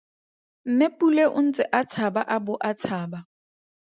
Mme Pule o ntse a tshaba a bo a tshaba.